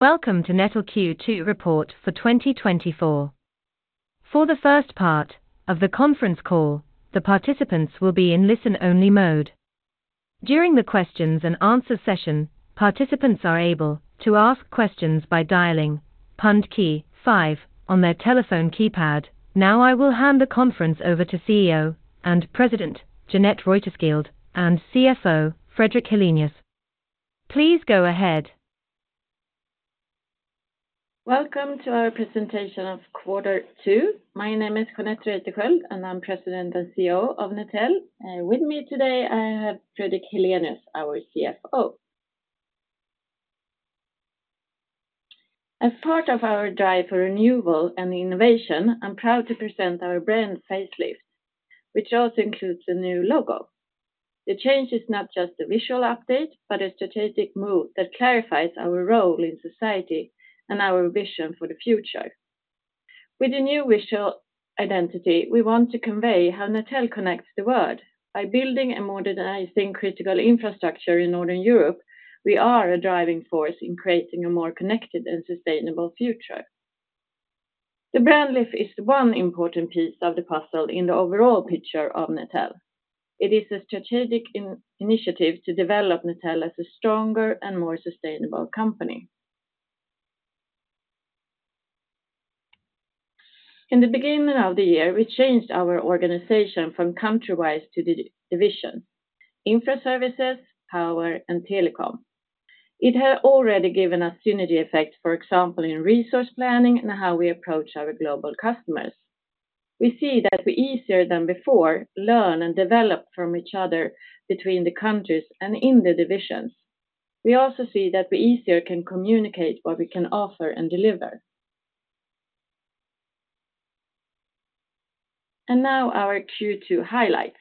Welcome to Netel Q2 report for 2024. For the first part of the conference call, the participants will be in listen-only mode. During the questions and answer session, participants are able to ask questions by dialing pound key five on their telephone keypad. Now, I will hand the conference over to CEO and President, Jeanette Reuterskiöld, and CFO, Fredrik Helenius. Please go ahead. Welcome to our presentation of quarter two. My name is Jeanette Reuterskiöld, and I'm President and CEO of Netel. With me today, I have Fredrik Helenius, our CFO. As part of our drive for renewal and innovation, I'm proud to present our brand facelift, which also includes a new logo. The change is not just a visual update, but a strategic move that clarifies our role in society and our vision for the future. With a new visual identity, we want to convey how Netel connects the world. By building and modernizing critical infrastructure in Northern Europe, we are a driving force in creating a more connected and sustainable future. The brand lift is one important piece of the puzzle in the overall picture of Netel. It is a strategic initiative to develop Netel as a stronger and more sustainable company. In the beginning of the year, we changed our organization from country-wise to division: infra services, power, and telecom. It has already given us synergy effects, for example, in resource planning and how we approach our global customers. We see that we easier than before learn and develop from each other between the countries and in the divisions. We also see that we easier can communicate what we can offer and deliver. And now our Q2 highlights.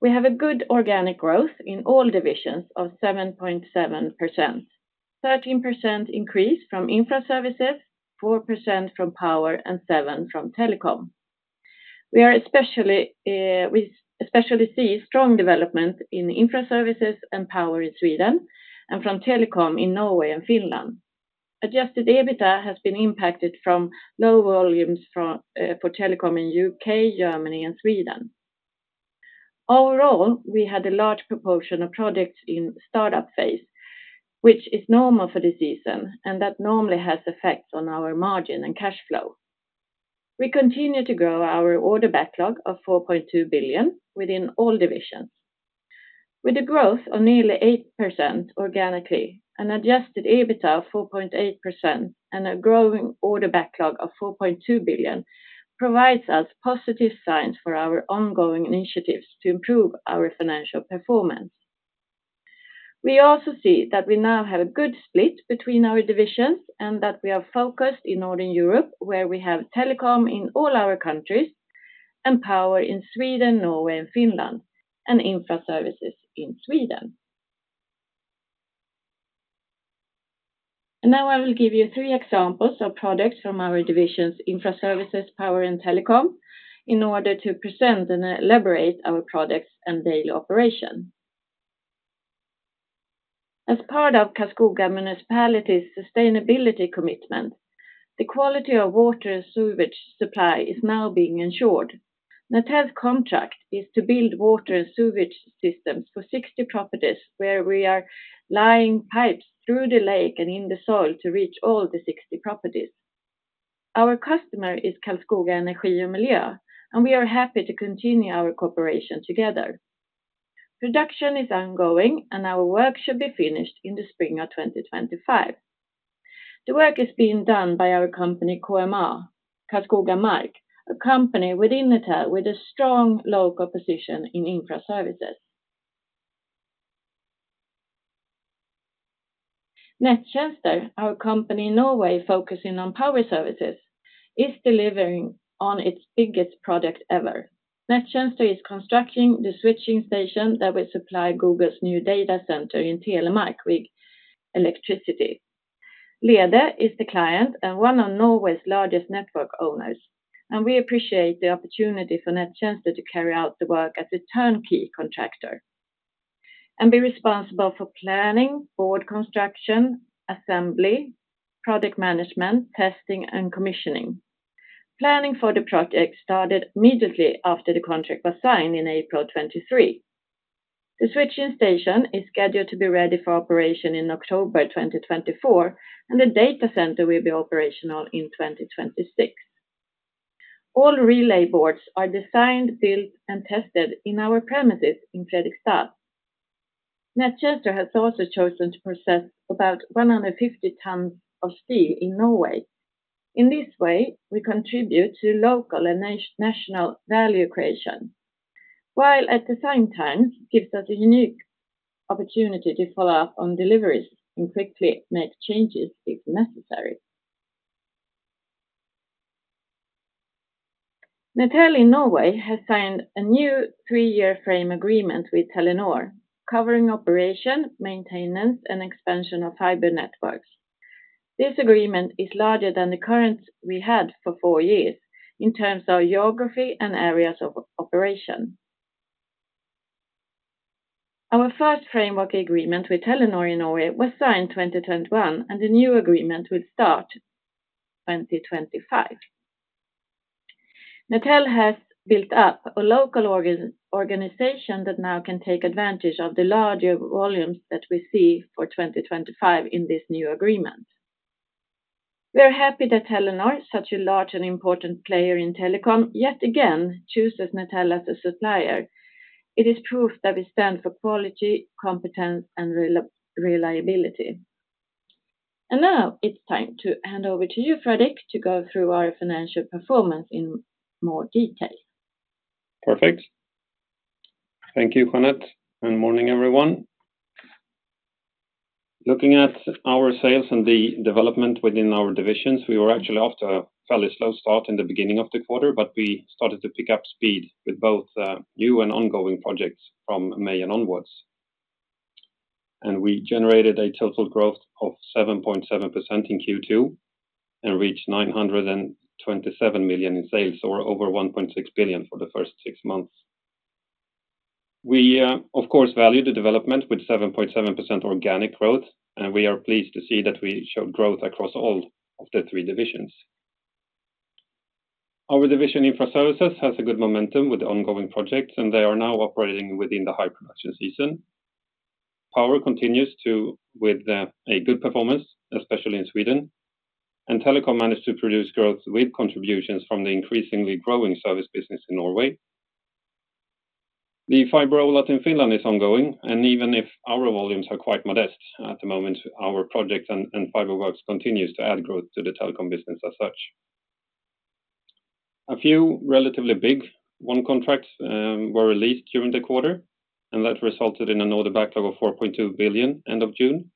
We have a good organic growth in all divisions of 7.7%. 13% increase from infra services, 4% from power, and 7% from telecom. We are especially. We especially see strong development in infra services and power in Sweden and from telecom in Norway and Finland. Adjusted EBITDA has been impacted from low volumes from, for telecom in UK, Germany, and Sweden. Overall, we had a large proportion of projects in startup phase, which is normal for the season, and that normally has effects on our margin and cash flow. We continue to grow our order backlog of 4.2 billion within all divisions. With a growth of nearly 8% organically, an adjusted EBITDA of 4.8%, and a growing order backlog of 4.2 billion, provides us positive signs for our ongoing initiatives to improve our financial performance. We also see that we now have a good split between our divisions, and that we are focused in Northern Europe, where we have telecom in all our countries and power in Sweden, Norway, and Finland, and infra services in Sweden. Now I will give you three examples of projects from our divisions, infra services, power, and telecom, in order to present and elaborate our projects and daily operation. As part of Karlskoga Municipality's sustainability commitment, the quality of water and sewage supply is now being ensured. Netel's contract is to build water and sewage systems for 60 properties, where we are laying pipes through the lake and in the soil to reach all the 60 properties. Our customer is Karlskoga Energi och Miljö, and we are happy to continue our cooperation together. Production is ongoing, and our work should be finished in the spring of 2025. The work is being done by our company, KMA, Karlskoga Mark, a company within Netel with a strong local position in infra services. Nettjeneste, our company in Norway, focusing on power services, is delivering on its biggest project ever. Nettjeneste is constructing the switching station that will supply Google's new data center in Telemark with electricity. Lyse is the client and one of Norway's largest network owners, and we appreciate the opportunity for Nettjeneste to carry out the work as a turnkey contractor, and be responsible for planning, board construction, assembly, project management, testing, and commissioning. Planning for the project started immediately after the contract was signed in April 2023. The switching station is scheduled to be ready for operation in October 2024, and the data center will be operational in 2026. All relay boards are designed, built, and tested in our premises in Fredrikstad. Nettjeneste has also chosen to process about 150 tons of steel in Norway. In this way, we contribute to local and national value creation, while at the same time, gives us a unique opportunity to follow up on deliveries and quickly make changes if necessary. Netel in Norway has signed a new three-year frame agreement with Telenor, covering operation, maintenance, and expansion of fiber networks. This agreement is larger than the current we had for four years in terms of geography and areas of operation. Our first framework agreement with Telenor in Norway was signed 2021, and the new agreement will start 2025. Netel has built up a local organization that now can take advantage of the larger volumes that we see for 2025 in this new agreement. We are happy that Telenor, such a large and important player in telecom, yet again, chooses Netel as a supplier. It is proof that we stand for quality, competence, and reliability. Now it's time to hand over to you, Fredrik, to go through our financial performance in more detail. Perfect. Thank you, Jeanette, and morning, everyone. Looking at our sales and the development within our divisions, we were actually off to a fairly slow start in the beginning of the quarter, but we started to pick up speed with both new and ongoing projects from May and onwards. We generated a total growth of 7.7% in Q2, and reached 927 million in sales, or over 1.6 billion for the first six months. We, of course, value the development with 7.7% organic growth, and we are pleased to see that we showed growth across all of the three divisions. Our division, Infra Services, has a good momentum with the ongoing projects, and they are now operating within the high production season. Power continues to with a good performance, especially in Sweden, and Telecom managed to produce growth with contributions from the increasingly growing service business in Norway. The fiber rollout in Finland is ongoing, and even if our volumes are quite modest at the moment, our project and fiber works continues to add growth to the telecom business as such. A few relatively big, won contracts were released during the quarter, and that resulted in an order backlog of 4.2 billion end of June.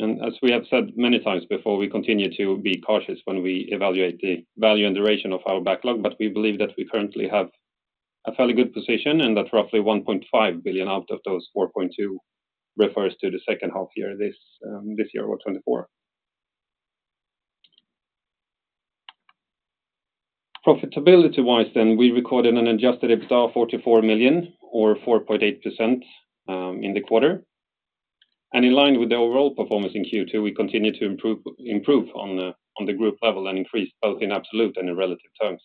As we have said many times before, we continue to be cautious when we evaluate the value and duration of our backlog, but we believe that we currently have a fairly good position, and that roughly 1.5 billion out of those 4.2 billion refers to the second half year, this year or 2024. Profitability-wise, then we recorded an adjusted EBITDA of 44 million or 4.8% in the quarter. In line with the overall performance in Q2, we continued to improve on the group level and increased both in absolute and in relative terms.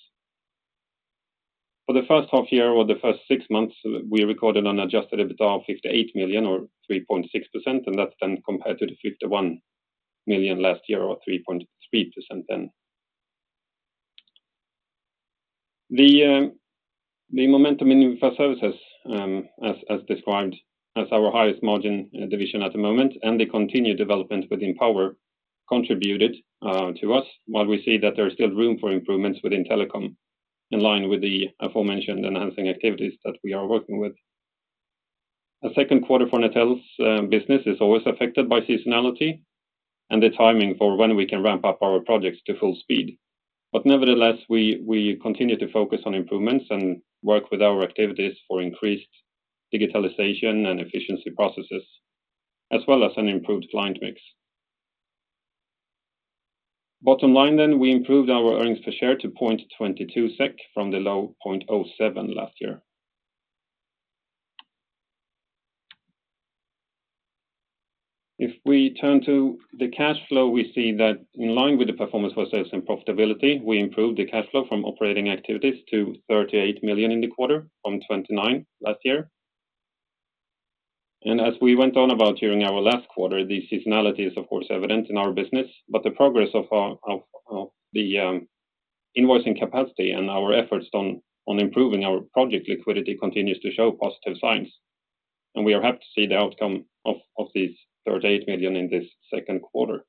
For the first half year or the first six months, we recorded an adjusted EBITDA of 58 million or 3.6%, and that's then compared to the 51 million last year or 3.3% then. The momentum in Infra Services, as described, as our highest margin division at the moment, and the continued development within Power contributed to us, while we see that there is still room for improvements within Telecom, in line with the aforementioned enhancing activities that we are working with. The second quarter for Netel's business is always affected by seasonality and the timing for when we can ramp up our projects to full speed. But nevertheless, we continue to focus on improvements and work with our activities for increased digitalization and efficiency processes, as well as an improved client mix. Bottom line, then, we improved our earnings per share to 0.22 SEK from the low 0.07 SEK last year. If we turn to the cash flow, we see that in line with the performance for sales and profitability, we improved the cash flow from operating activities to 38 million in the quarter from 29 million last year. As we went on about during our last quarter, the seasonality is, of course, evident in our business, but the progress of the invoicing capacity and our efforts on improving our project liquidity continues to show positive signs, and we are happy to see the outcome of these 38 million in this second quarter.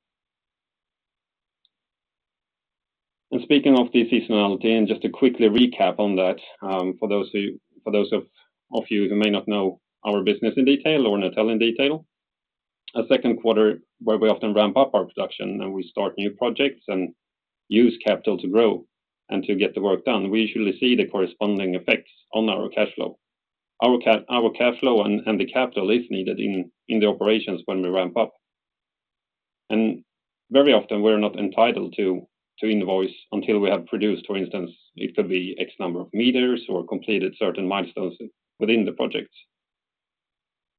Speaking of the seasonality, just to quickly recap on that, for those of you who may not know our business in detail or Netel in detail, a second quarter where we often ramp up our production and we start new projects and use capital to grow and to get the work done, we usually see the corresponding effects on our cash flow. Our cash flow and the capital is needed in the operations when we ramp up. Very often, we're not entitled to, to invoice until we have produced, for instance, it could be X number of meters or completed certain milestones within the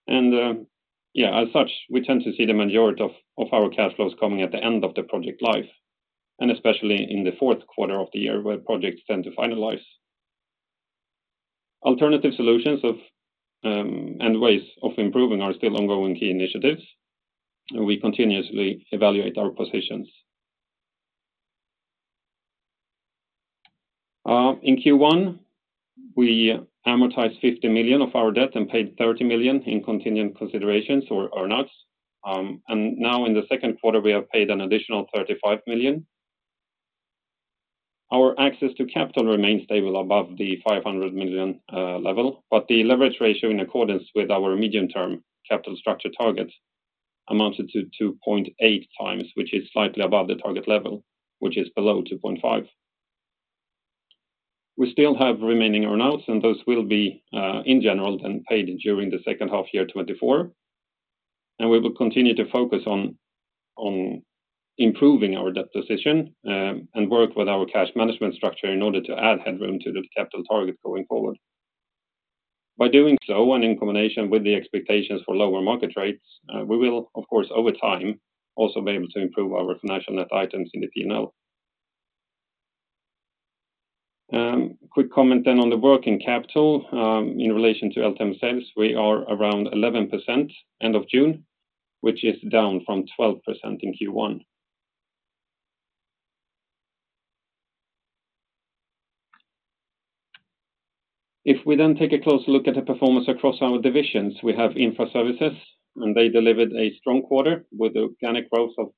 projects. Yeah, as such, we tend to see the majority of, of our cash flows coming at the end of the project life, and especially in the fourth quarter of the year, where projects tend to finalize. Alternative solutions of, and ways of improving are still ongoing key initiatives, and we continuously evaluate our positions. In Q1, we amortized 50 million of our debt and paid 30 million in continuing considerations or earnouts. Now in the second quarter, we have paid an additional 35 million. Our access to capital remains stable above the 500 million level, but the leverage ratio, in accordance with our medium-term capital structure target, amounted to 2.8 times, which is slightly above the target level, which is below 2.5. We still have remaining earnouts, and those will be, in general, then paid during the second half of 2024, and we will continue to focus on improving our debt position, and work with our cash management structure in order to add headroom to the capital target going forward. By doing so, and in combination with the expectations for lower market rates, we will, of course, over time, also be able to improve our financial net items in the P&L. Quick comment then on the working capital, in relation to LTM sales, we are around 11% end of June, which is down from 12% in Q1. If we then take a close look at the performance across our divisions, we have Infra Services, and they delivered a strong quarter with organic growth of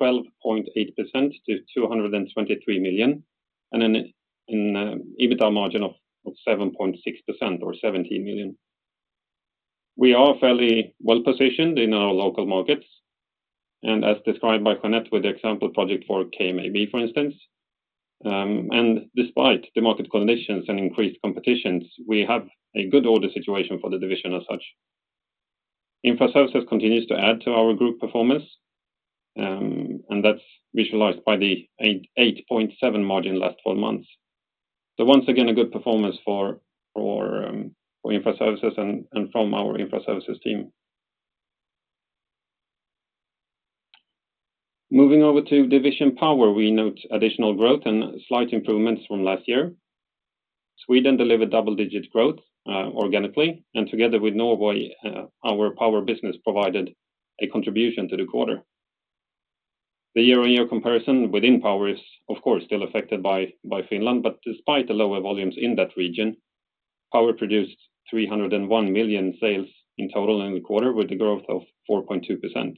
12.8% to 223 million, and an EBITDA margin of 7.6% or 17 million. We are fairly well-positioned in our local markets, and as described by Jeanette with the example project for KMAB, for instance. And despite the market conditions and increased competitions, we have a good order situation for the division as such. Infra Services continues to add to our group performance, and that's visualized by the 8.7% margin last four months. So once again, a good performance for infra services and from our infra services team. Moving over to division Power, we note additional growth and slight improvements from last year. Sweden delivered double-digit growth organically, and together with Norway, our Power business provided a contribution to the quarter. The year-on-year comparison within Power is, of course, still affected by Finland, but despite the lower volumes in that region, Power produced 301 million sales in total in the quarter, with a growth of 4.2%.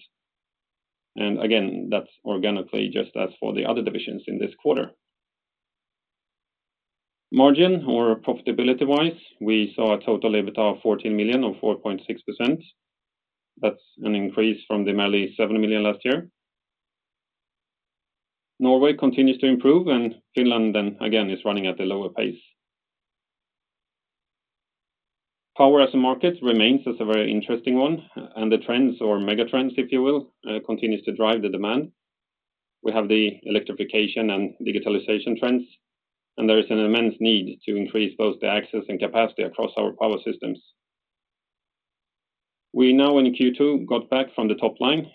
And again, that's organically, just as for the other divisions in this quarter. Margin or profitability-wise, we saw a total EBITDA of 14 million, or 4.6%. That's an increase from the merely 7 million last year. Norway continues to improve, and Finland then again is running at a lower pace. Power as a market remains as a very interesting one, and the trends, or mega trends, if you will, continues to drive the demand. We have the electrification and digitalization trends, and there is an immense need to increase both the access and capacity across our power systems. We now in Q2, got back from the top line,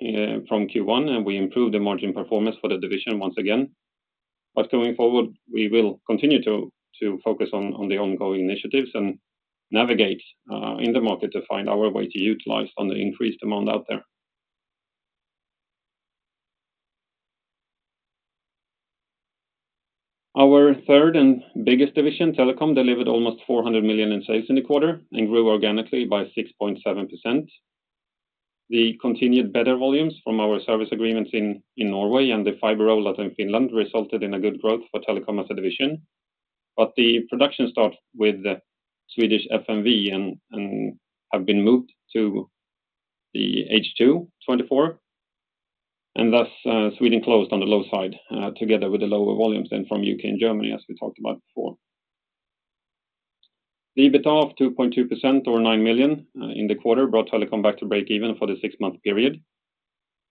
from Q1, and we improved the margin performance for the division once again. But going forward, we will continue to, to focus on, on the ongoing initiatives and navigate, in the market to find our way to utilize on the increased demand out there. Our third and biggest division, Telecom, delivered almost 400 million in sales in the quarter and grew organically by 6.7%. The continued better volumes from our service agreements in Norway and the fiber roll out in Finland resulted in a good growth for Telecom as a division. But the production start with the Swedish FMV and have been moved to the H2 2024, and thus, Sweden closed on the low side, together with the lower volumes then from U.K. and Germany, as we talked about before. The EBITDA of 2.2% or 9 million, in the quarter, brought Telecom back to breakeven for the six-month period.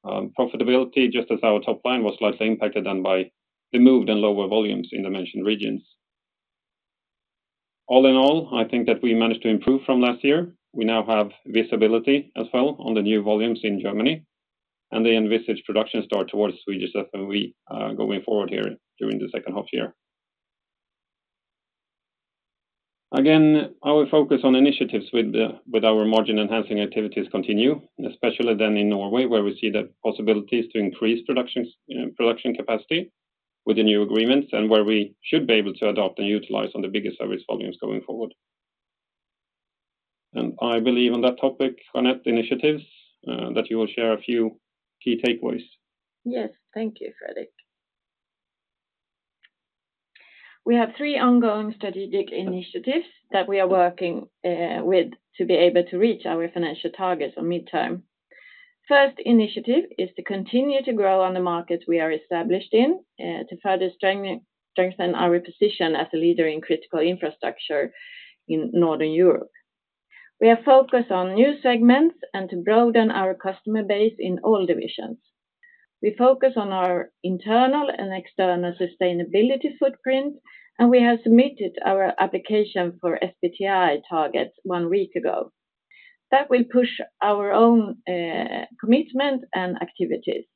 Profitability, just as our top line, was slightly impacted then by the moved and lower volumes in the mentioned regions. All in all, I think that we managed to improve from last year. We now have visibility as well on the new volumes in Germany, and the envisaged production start towards Swedish FMV, going forward here during the second half year. Again, our focus on initiatives with our margin-enhancing activities continue, especially then in Norway, where we see the possibilities to increase productions, production capacity with the new agreements, and where we should be able to adopt and utilize on the biggest service volumes going forward. And I believe on that topic, Jeanette, initiatives, that you will share a few key takeaways. Yes. Thank you, Fredrik. We have three ongoing strategic initiatives that we are working with to be able to reach our financial targets on midterm. First initiative is to continue to grow on the markets we are established in, to further strengthen our position as a leader in critical infrastructure in Northern Europe. We are focused on new segments and to broaden our customer base in all divisions. We focus on our internal and external sustainability footprint, and we have submitted our application for SBTi targets one week ago. That will push our own commitment and activities.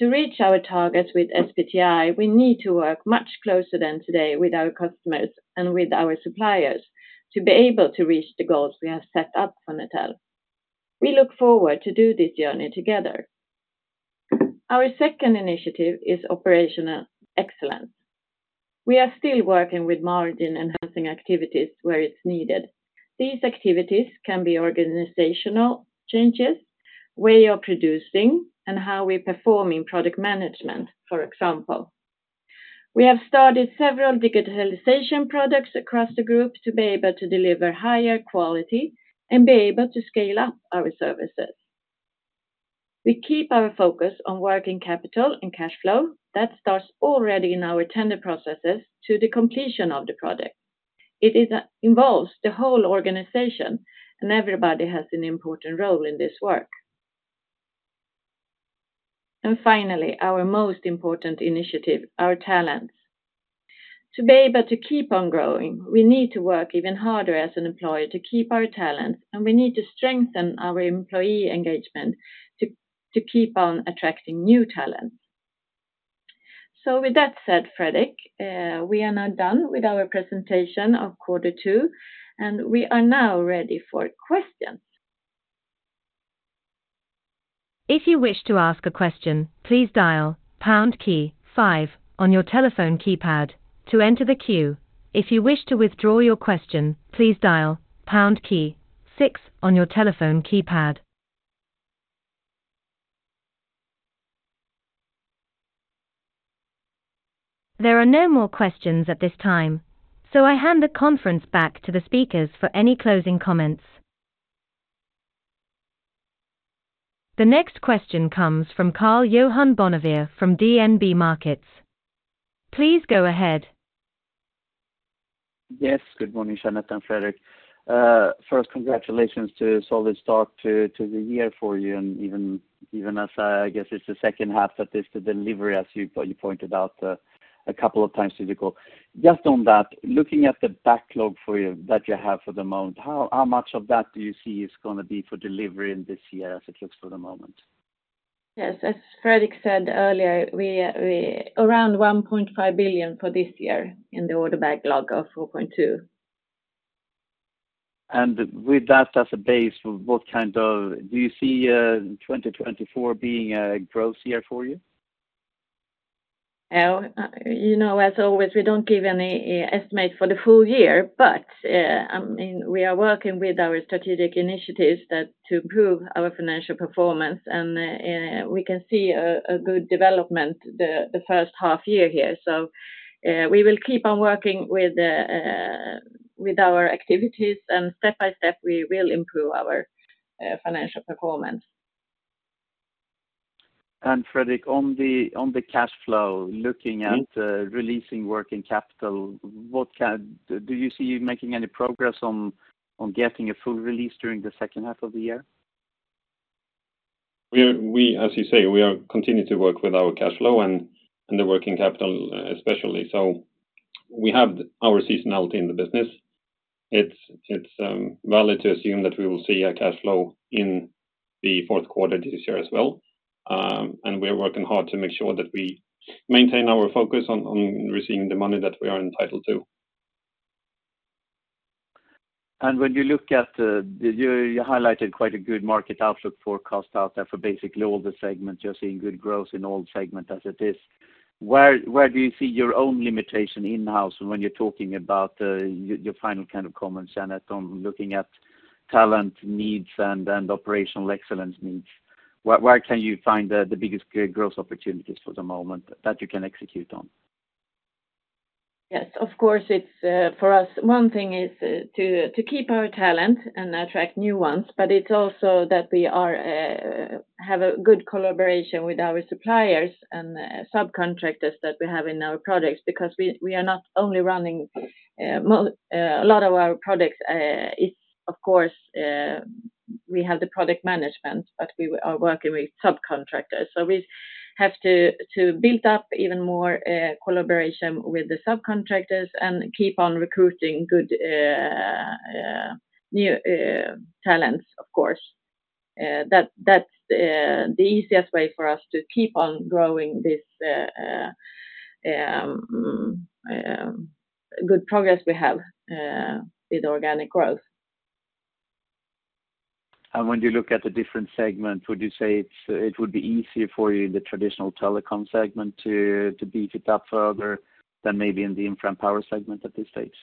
To reach our targets with SBTi, we need to work much closer than today with our customers and with our suppliers to be able to reach the goals we have set up for Netel. We look forward to do this journey together. Our second initiative is operational excellence. We are still working with margin-enhancing activities where it's needed. These activities can be organizational changes, way of producing, and how we perform in project management, for example. We have started several digitalization projects across the group to be able to deliver higher quality and be able to scale up our services.... We keep our focus on working capital and cash flow. That starts already in our tender processes to the completion of the project. It involves the whole organization, and everybody has an important role in this work. Finally, our most important initiative, our talents. To be able to keep on growing, we need to work even harder as an employer to keep our talents, and we need to strengthen our employee engagement to keep on attracting new talents. With that said, Fredrik, we are now done with our presentation of quarter two, and we are now ready for questions. If you wish to ask a question, please dial pound key five on your telephone keypad to enter the queue. If you wish to withdraw your question, please dial pound key six on your telephone keypad. There are no more questions at this time, so I hand the conference back to the speakers for any closing comments. The next question comes from Karl-Johan Bonnevier from DNB Markets. Please go ahead. Yes, good morning, Jeanette and Fredrik. First, congratulations to a solid start to the year for you, and even as I guess it's the second half that is the delivery, as you pointed out a couple of times typical. Just on that, looking at the backlog for you that you have for the moment, how much of that do you see is gonna be for delivery in this year as it looks for the moment? Yes, as Fredrik said earlier, we around 1.5 billion for this year in the order backlog of 4.2 billion. With that as a base, what kind of do you see 2024 being a growth year for you? You know, as always, we don't give any estimate for the full year, but I mean, we are working with our strategic initiatives that to improve our financial performance, and we can see a good development the first half year here. So, we will keep on working with our activities, and step by step, we will improve our financial performance. Fredrik, on the cash flow, looking at- Mm. Releasing working capital, what kind... Do you see you making any progress on, on getting a full release during the second half of the year? We are, as you say, we are continuing to work with our cash flow and the working capital, especially. So we have our seasonality in the business. It is valid to assume that we will see a cash flow in the fourth quarter this year as well. And we are working hard to make sure that we maintain our focus on receiving the money that we are entitled to. When you look at the, you highlighted quite a good market outlook for Netel for basically all the segments. You're seeing good growth in all segments as it is. Where do you see your own limitation in-house when you're talking about your final kind of comments, Jeanette, on looking at talent needs and operational excellence needs? Where can you find the biggest growth opportunities for the moment that you can execute on? Yes, of course, it's for us one thing is to keep our talent and attract new ones, but it's also that we have a good collaboration with our suppliers and subcontractors that we have in our projects, because we are not only running a lot of our projects, it's of course we have the project management, but we are working with subcontractors. So we have to build up even more collaboration with the subcontractors and keep on recruiting good new talents, of course. That's the easiest way for us to keep on growing this good progress we have with organic growth. When you look at the different segments, would you say it's, it would be easier for you in the traditional telecom segment to, to beat it up further than maybe in the infra and power segment at this stage?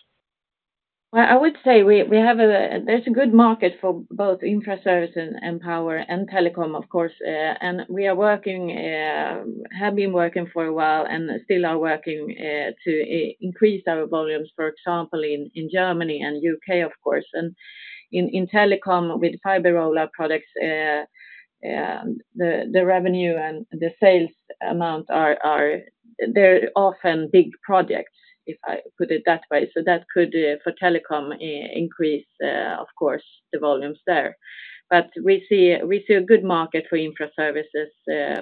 Well, I would say we have a good market for both infra services and power and telecom, of course, and we are working, have been working for a while and still are working to increase our volumes, for example, in Germany and UK, of course. And in telecom, with fiber rollout products, the revenue and the sales amount are often big projects, if I put it that way. So that could, for telecom, increase, of course, the volumes there. But we see a good market for infra services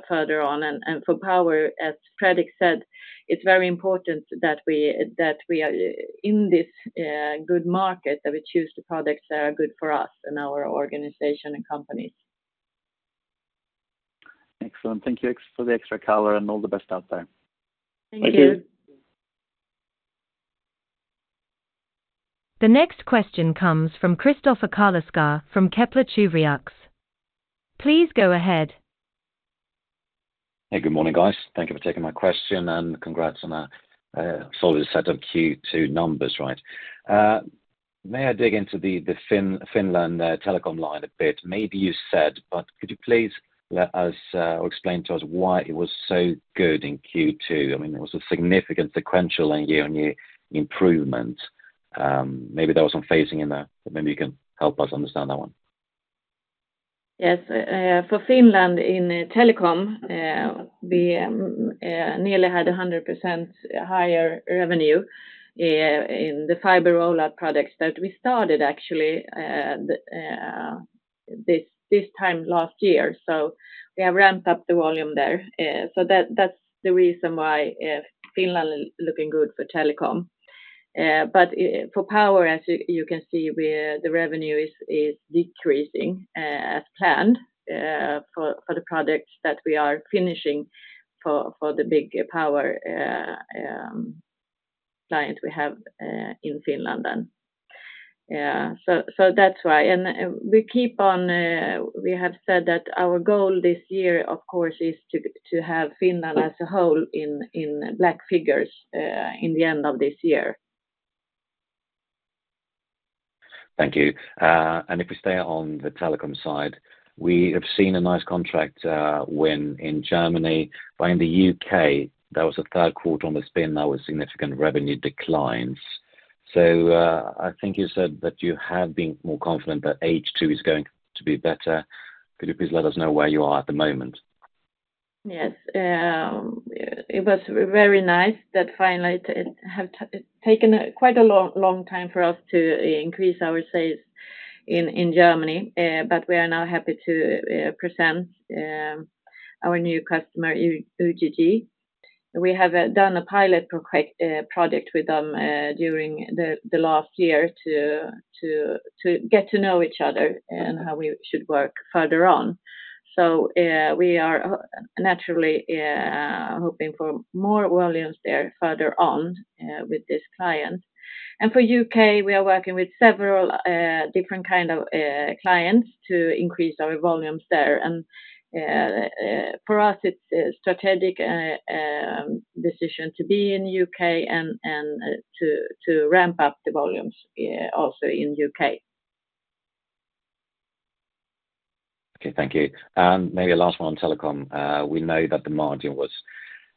further on, and for power, as Fredrik said, it's very important that we are in this good market, that we choose the products that are good for us and our organization and company. Excellent. Thank you for the extra color, and all the best out there. Thank you. Thank you. The next question comes from Kristoffer Carleskär from Kepler Cheuvreux. Please go ahead. Hey, good morning, guys. Thank you for taking my question, and congrats on a solid set of Q2 numbers, right? May I dig into the Finland telecom line a bit? Maybe you said, but could you please let us or explain to us why it was so good in Q2? I mean, it was a significant sequential and year-on-year improvement.... Maybe there was some phasing in there, but maybe you can help us understand that one. Yes, for Finland in telecom, we nearly had 100% higher revenue in the fiber rollout projects that we started actually this time last year. So we have ramped up the volume there. So that, that's the reason why Finland is looking good for telecom. But for power, as you can see, we're, the revenue is decreasing as planned for the projects that we are finishing for the big power client we have in Finland then. Yeah, so that's why. And we keep on, we have said that our goal this year, of course, is to have Finland as a whole in black figures in the end of this year. Thank you. And if we stay on the telecom side, we have seen a nice contract win in Germany, but in the UK, there was a third quarter on the spin, there was significant revenue declines. So, I think you said that you have been more confident that H2 is going to be better. Could you please let us know where you are at the moment? Yes. It was very nice that finally it has taken quite a long, long time for us to increase our sales in Germany. But we are now happy to present our new customer, UGG. We have done a pilot project with them during the last year to get to know each other and how we should work further on. So we are naturally hoping for more volumes there further on with this client. And for UK, we are working with several different kind of clients to increase our volumes there. And for us, it's a strategic decision to be in UK and to ramp up the volumes also in UK. Okay, thank you. And maybe a last one on telecom. We know that the margin was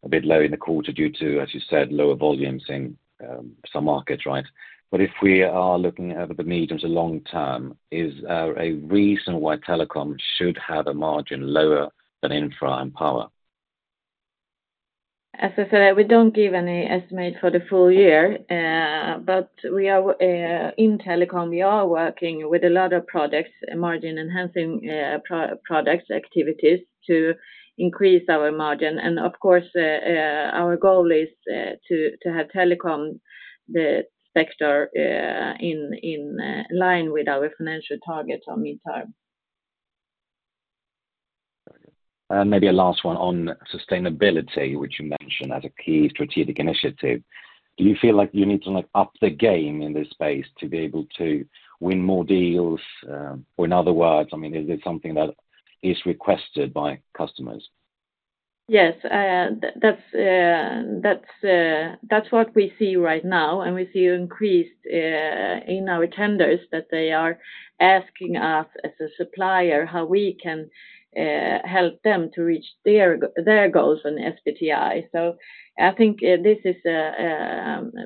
a bit low in the quarter due to, as you said, lower volumes in some markets, right? But if we are looking over the medium to long term, is there a reason why telecom should have a margin lower than infra and power? As I said, we don't give any estimate for the full year, but we are in telecom working with a lot projects of margin enhancing projects, activities to increase our margin. And of course, our goal is to have telecom the sector in line with our financial targets in the medium term. Maybe a last one on sustainability, which you mentioned as a key strategic initiative. Do you feel like you need to, like, up the game in this space to be able to win more deals? Or in other words, I mean, is it something that is requested by customers? Yes. That's what we see right now, and we see increased in our tenders that they are asking us as a supplier how we can help them to reach their goals on SBTi. So I think this is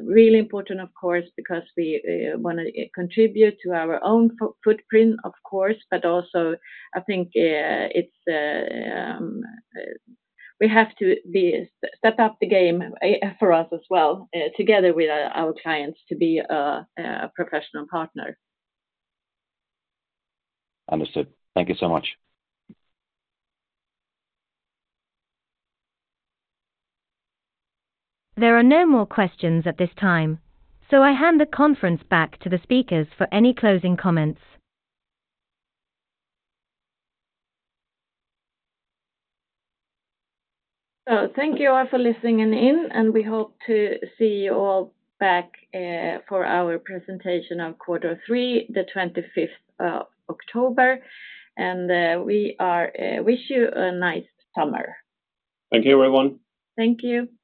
really important, of course, because we wanna contribute to our own footprint, of course, but also, I think it's we have to step up the game for us as well together with our clients to be a professional partner. Understood. Thank you so much. There are no more questions at this time, so I hand the conference back to the speakers for any closing comments. Thank you all for listening in, and we hope to see you all back for our presentation on quarter three, the twenty-fifth of October. And, we are, wish you a nice summer. Thank you, everyone. Thank you.